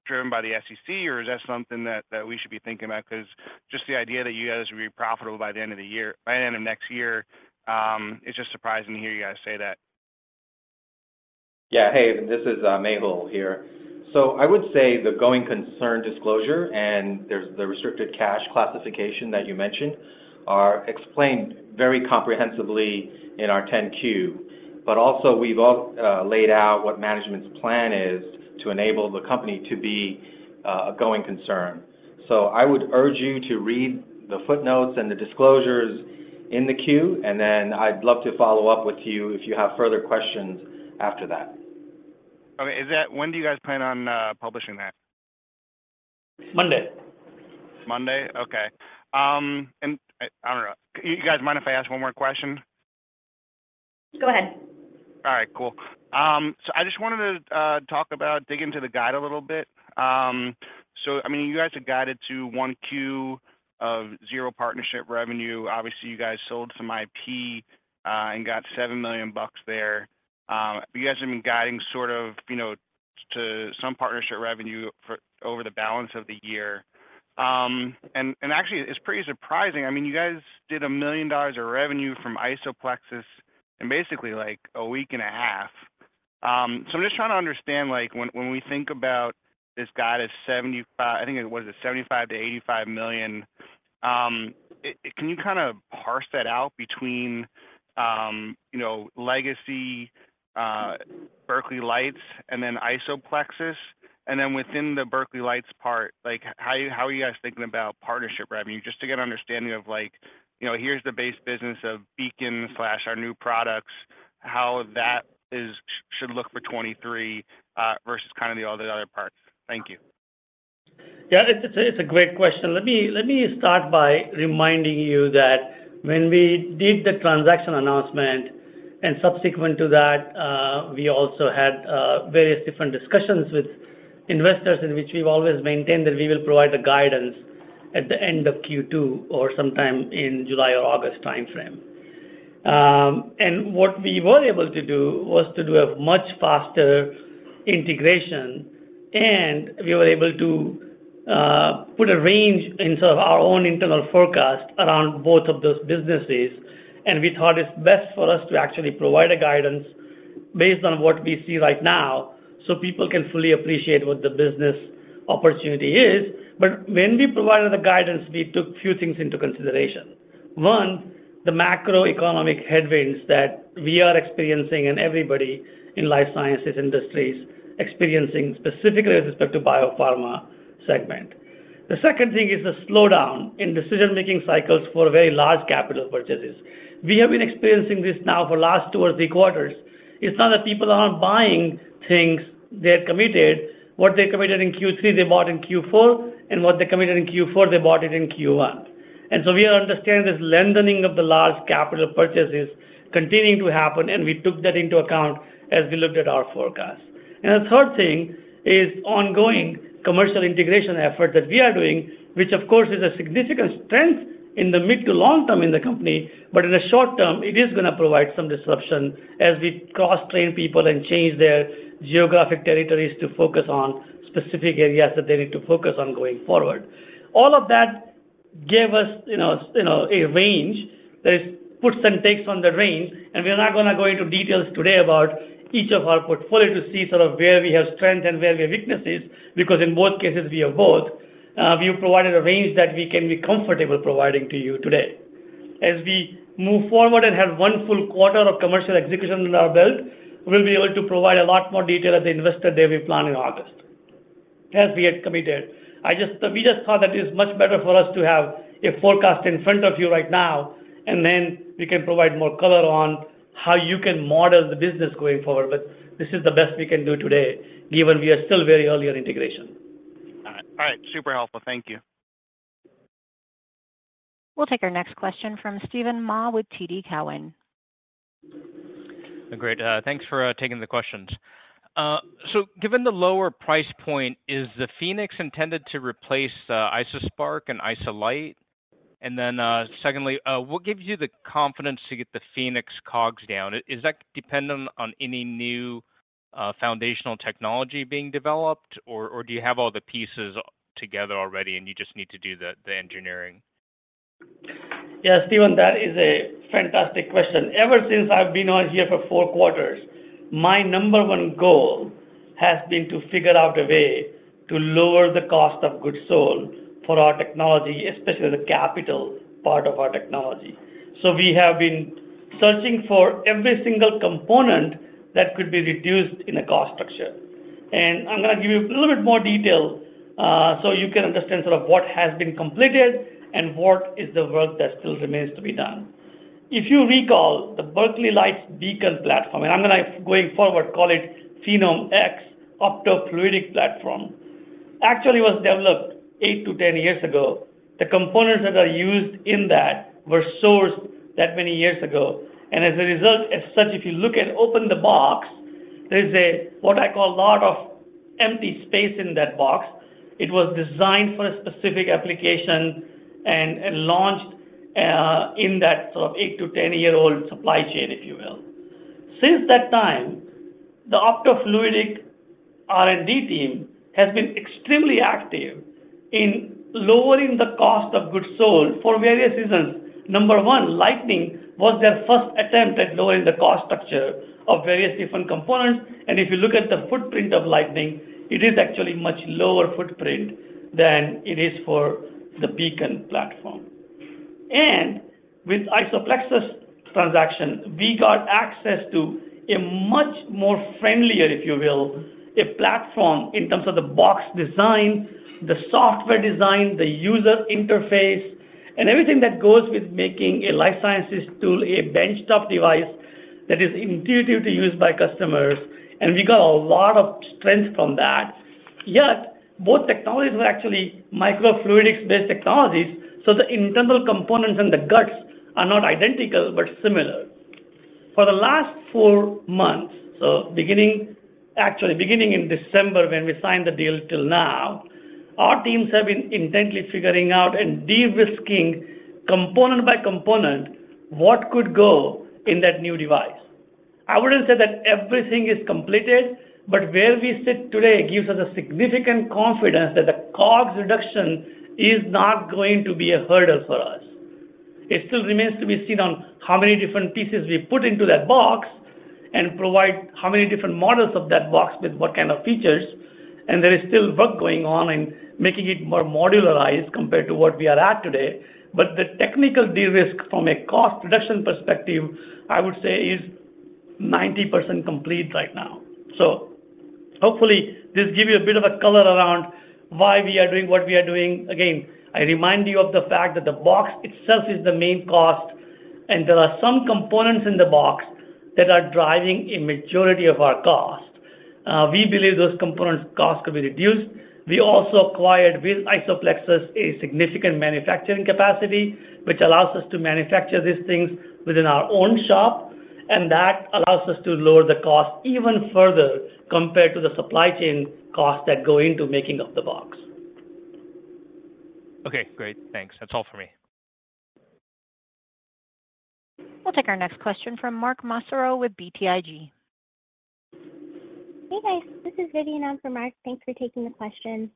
driven by the SEC or is that something that we should be thinking about? 'Cause just the idea that you guys will be profitable by the end of the year, by the end of next year, it's just surprising to hear you guys say that. Hey, this is Mehul here. I would say the going concern disclosure and there's the restricted cash classification that you mentioned are explained very comprehensively in our 10-Q. We've laid out what management's plan is to enable the company to be a going concern. I would urge you to read the footnotes and the disclosures in the 10-Q. I'd love to follow up with you if you have further questions after that. Okay. Is that. When do you guys plan on publishing that? Monday. Monday? Okay. I don't know. You guys mind if I ask one more question? Go ahead. All right, cool. I just wanted to talk about, dig into the guide a little bit. I mean, you guys have guided to 1Q of zero partnership revenue. Obviously, you guys sold some IP and got $7 million bucks there. You guys have been guiding sort of, you know, to some partnership revenue for over the balance of the year. And actually it's pretty surprising. I mean, you guys did $1 million of revenue from IsoPlexis in basically like a week and a half. I'm just trying to understand, like when we think about this guidance, I think it was $75 million to $85 million, can you kind of parse that out between, you know, legacy Berkeley Lights and then IsoPlexis? Within the Berkeley Lights part, like how are you guys thinking about partnership revenue? Just to get an understanding of like, you know, here's the base business of Beacon/our new products, how that should look for 23, versus kind of the all the other parts. Thank you. Yeah, it's a great question. Let me start by reminding you that when we did the transaction announcement and subsequent to that, we also had various different discussions with investors in which we've always maintained that we will provide the guidance at the end of Q2 or sometime in July or August timeframe. What we were able to do was to do a much faster integration, and we were able to put a range in sort of our own internal forecast around both of those businesses. We thought it's best for us to actually provide a guidance based on what we see right now, so people can fully appreciate what the business opportunity is. When we provided the guidance, we took few things into consideration. One, the macroeconomic headwinds that we are experiencing and everybody in life sciences industries experiencing specifically with respect to biopharma segment. The second thing is the slowdown in decision-making cycles for very large capital purchases. We have been experiencing this now for last two or three quarters. It's not that people aren't buying things, they're committed. What they committed in Q3, they bought in Q4, and what they committed in Q4, they bought it in Q1. We understand this lengthening of the large capital purchases continuing to happen, and we took that into account as we looked at our forecast. The third thing is ongoing commercial integration effort that we are doing, which of course is a significant strength in the mid to long term in the company. In the short term, it is gonna provide some disruption as we cross-train people and change their geographic territories to focus on specific areas that they need to focus on going forward. All of that gave us, you know, a range. There's puts and takes on the range, and we're not gonna go into details today about each of our portfolio to see sort of where we have strength and where we have weaknesses, because in both cases we have both. We've provided a range that we can be comfortable providing to you today. As we move forward and have one full quarter of commercial execution under our belt, we'll be able to provide a lot more detail at the investor day we plan in August, as we had committed. We just thought that it is much better for us to have a forecast in front of you right now and then we can provide more color on how you can model the business going forward. This is the best we can do today, given we are still very early in integration. All right. All right. Super helpful. Thank you. We'll take our next question from Steven Ma with TD Cowen. Great. Thanks for taking the questions. Given the lower price point, is the Phoenix intended to replace IsoSpark and IsoLight? Secondly, what gives you the confidence to get the Phoenix COGS down? Is that dependent on any new foundational technology being developed? Or do you have all the pieces together already and you just need to do the engineering? Yeah, Steven, that is a fantastic question. Ever since I've been on here for four quarters, my number one goal has been to figure out a way to lower the cost of goods sold for our technology, especially the capital part of our technology. We have been searching for every single component that could be reduced in a cost structure. I'm gonna give you a little bit more detail so you can understand sort of what has been completed and what is the work that still remains to be done. If you recall, the Berkeley Lights Beacon platform, and I'm gonna, going forward, call it PhenomeX optofluidic platform, actually was developed 8-10 years ago. The components that are used in that were sourced that many years ago. As a result, as such, if you look at open the box, there's what I call a lot of empty space in that box. It was designed for a specific application and launched in that sort of 8 to 10 year old supply chain, if you will. Since that time, the optofluidic R&D team has been extremely active in lowering the cost of goods sold for various reasons. Number one, Lightning was their first attempt at lowering the cost structure of various different components. If you look at the footprint of Lightning, it is actually much lower footprint than it is for the Beacon platform. With IsoPlexis transaction, we got access to a much more friendlier, if you will, a platform in terms of the box design, the software design, the user interface, and everything that goes with making a life sciences tool a benchtop device that is intuitive to use by customers, and we got a lot of strength from that. Both technologies were actually microfluidics-based technologies, so the internal components and the guts are not identical, but similar. For the last 4 months, so actually beginning in December when we signed the deal till now, our teams have been intently figuring out and de-risking component by component what could go in that new device. I wouldn't say that everything is completed, but where we sit today gives us a significant confidence that the COGS reduction is not going to be a hurdle for us. It still remains to be seen on how many different pieces we put into that box and provide how many different models of that box with what kind of features, and there is still work going on in making it more modularized compared to what we are at today. The technical de-risk from a cost reduction perspective, I would say, is 90% complete right now. Hopefully, this give you a bit of a color around why we are doing what we are doing. Again, I remind you of the fact that the box itself is the main cost, and there are some components in the box that are driving a majority of our cost. We believe those components cost could be reduced. We also acquired with IsoPlexis a significant manufacturing capacity, which allows us to manufacture these things within our own shop, that allows us to lower the cost even further compared to the supply chain costs that go into making of the box. Okay, great. Thanks. That's all for me. We'll take our next question from Mark Massaro with BTIG. Hey, guys. This is Vivian on for Mark. Thanks for taking the question.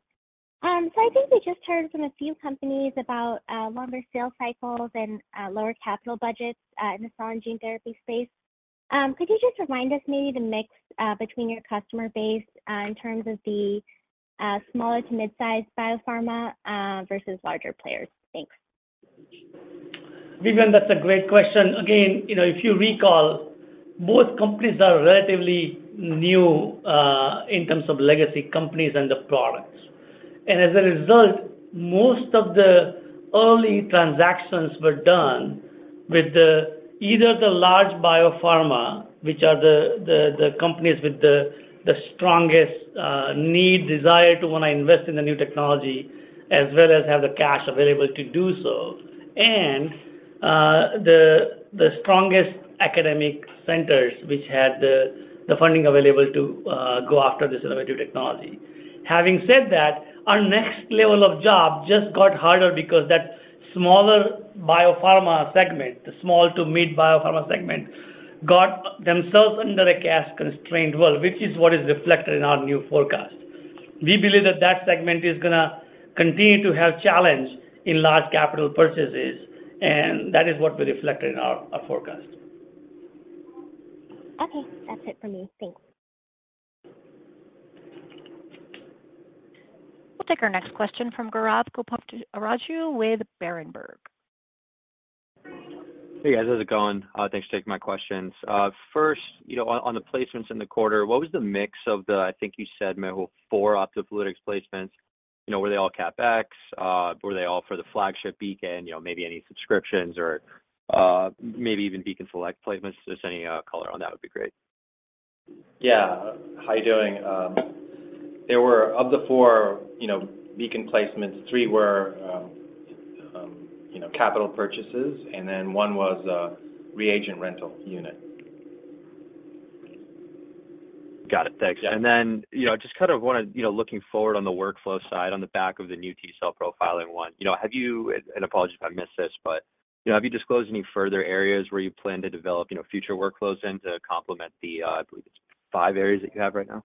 I think we just heard from a few companies about longer sales cycles and lower capital budgets in the cell and gene therapy space. Could you just remind us maybe the mix between your customer base in terms of the smaller to mid-size biopharma versus larger players? Thanks. Vivian, that's a great question. Again, you know, if you recall, both companies are relatively new in terms of legacy companies and the products. As a result, most of the early transactions were done with either the large biopharma, which are the companies with the strongest need, desire to wanna invest in the new technology as well as have the cash available to do so, and the strongest academic centers which had the funding available to go after this innovative technology. Our next level of job just got harder because that smaller biopharma segment, the small to mid biopharma segment, got themselves under a cash constraint world, which is what is reflected in our new forecast. We believe that segment is going to continue to have challenge in large capital purchases, and that is what we reflected in our forecast. Okay. That's it for me. Thanks. We'll take our next question from Gaurav Goparaju with Berenberg. Hey, guys. How's it going? Thanks for taking my questions. First, you know, on the placements in the quarter, what was the mix of the, I think you said, Mehul, four optofluidics placements? You know, were they all CapEx? Were they all for the flagship Beacon? You know, maybe any subscriptions or, maybe even Beacon Select placements? Just any, color on that would be great. Yeah. How you doing? Of the four, you know, Beacon placements, three were, you know, capital purchases, and then 1 was a reagent rental unit. Got it. Thanks. Yeah. Then, you know, just kind of wanna, you know, looking forward on the workflow side on the back of the new T-cell profiling one. You know, apologies if I missed this, but, you know, have you disclosed any further areas where you plan to develop, you know, future workflows in to complement the, I believe it's five areas that you have right now?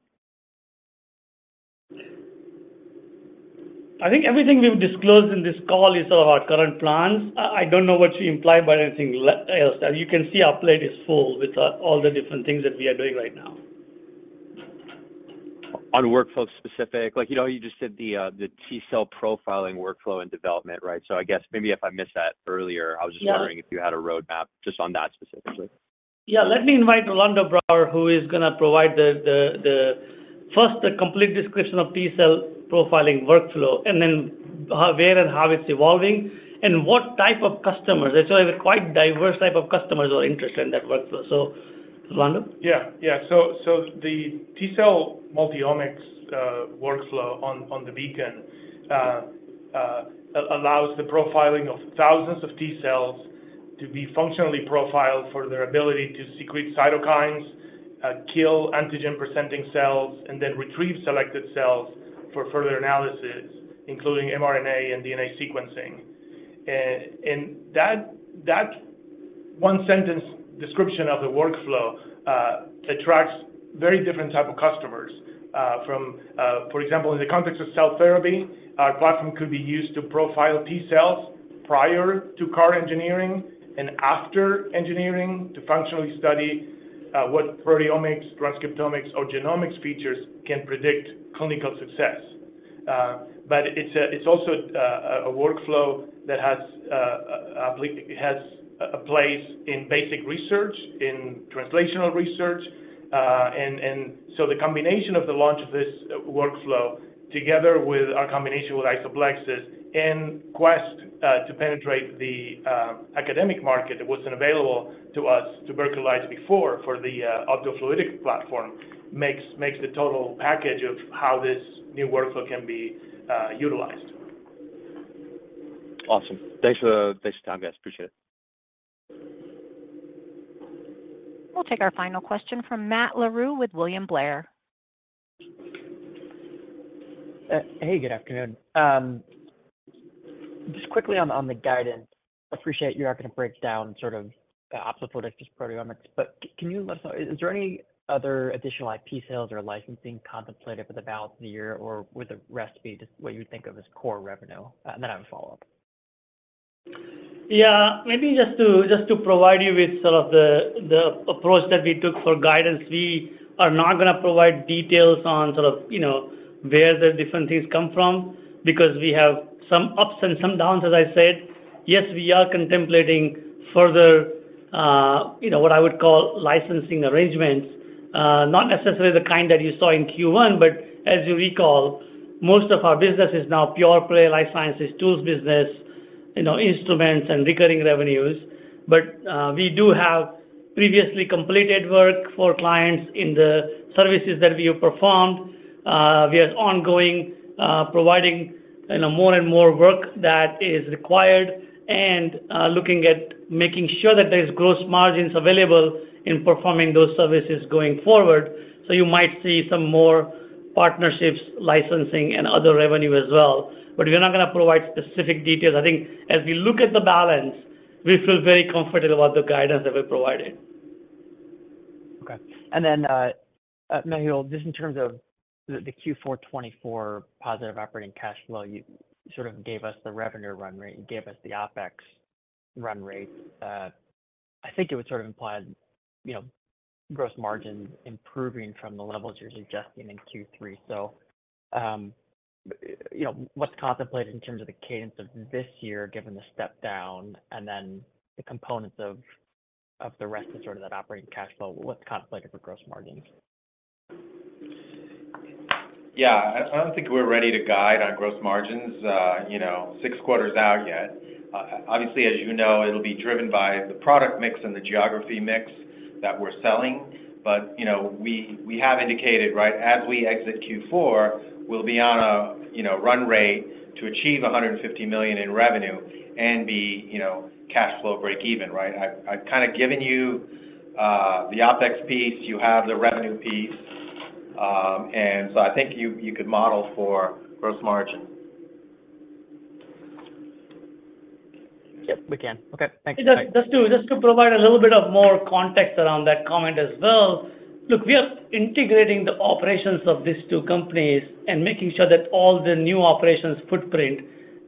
I think everything we've disclosed in this call is our current plans. I don't know what you imply by anything else. You can see our plate is full with all the different things that we are doing right now. On workflow specific, like, you know, you just said the T-cell profiling workflow and development, right? I guess maybe if I missed that earlier. Yeah. if you had a roadmap just on that specifically. Yeah. Let me invite Rolando Brawer, who is gonna provide the complete description of T-cell profiling workflow and then where and how it's evolving and what type of customers. Actually, quite diverse type of customers are interested in that workflow. Rolando? Yeah. The T-cell multi-omics workflow on the Beacon allows the profiling of thousands of T-cells to be functionally profiled for their ability to secrete cytokines, kill antigen-presenting cells, and then retrieve selected cells for further analysis, including mRNA and DNA sequencing. That one-sentence description of the workflow attracts very different type of customers from, for example, in the context of cell therapy, our platform could be used to profile T-cells prior to CAR engineering and after engineering to functionally study what proteomics, transcriptomics, or genomics features can predict clinical success. It's also a workflow that has, I believe, has a place in basic research, in translational research. The combination of the launch of this workflow together with our combination with IsoPlexis in Quest to penetrate the academic market that wasn't available to us to virtualize before for the optofluidic platform makes the total package of how this new workflow can be utilized. Awesome. Thanks for your time, guys. Appreciate it. We'll take our final question from Matt Larew with William Blair. Hey, good afternoon. Just quickly on the guidance. Appreciate you're not gonna break down sort of optofluidics' proteomics, but can you let us know, is there any other additional IP sales or licensing contemplated for the balance of the year, or would the rest be just what you would think of as core revenue? I have a follow-up. Yeah, maybe just to provide you with sort of the approach that we took for guidance. We are not going to provide details on sort of, you know, where the different things come from because we have some ups and some downs, as I said. Yes, we are contemplating further, you know, what I would call licensing arrangements. Not necessarily the kind that you saw in Q1, as you recall, most of our business is now pure play life sciences tools business, you know, instruments and recurring revenues. We do have previously completed work for clients in the services that we have performed. We are ongoing providing, you know, more and more work that is required and looking at making sure that there's gross margins available in performing those services going forward. You might see some more partnerships, licensing, and other revenue as well. We're not gonna provide specific details. I think as we look at the balance, we feel very confident about the guidance that we provided. Okay. Mehul, just in terms of the Q4 2024 positive operating cash flow, you sort of gave us the revenue run rate. You gave us the OpEx run rate. I think it would sort of imply, you know, gross margins improving from the levels you're suggesting in Q3. You know, what's contemplated in terms of the cadence of this year, given the step down and then the components of the rest of sort of that operating cash flow? What's contemplated for gross margins? I don't think we're ready to guide on gross margins, you know, 6 quarters out yet. Obviously, as you know, it'll be driven by the product mix and the geography mix that we're selling. You know, we have indicated, right, as we exit Q4, we'll be on a run rate to achieve $150 million in revenue and be cash flow break even, right? I've kinda given you the OpEx piece. You have the revenue piece. I think you could model for gross margin. Yep, we can. Okay, thank you. Just to provide a little bit of more context around that comment as well. Look, we are integrating the operations of these two companies and making sure that all the new operations footprint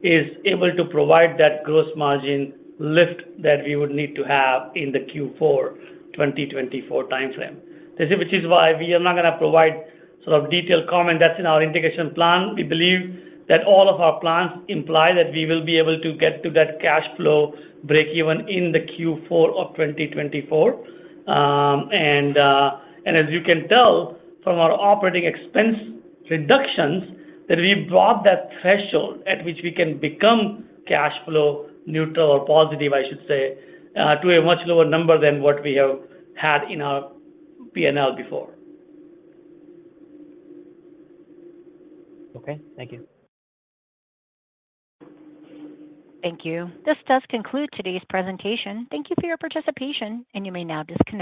is able to provide that gross margin lift that we would need to have in the Q4 2024 timeframe. This is which is why we are not gonna provide sort of detailed comment that's in our integration plan. We believe that all of our plans imply that we will be able to get to that cash flow breakeven in the Q4 of 2024. As you can tell from our operating expense reductions, that we've dropped that threshold at which we can become cash flow neutral or positive, I should say, to a much lower number than what we have had in our P&L before. Okay. Thank you. Thank you. This does conclude today's presentation. Thank you for your participation, and you may now disconnect.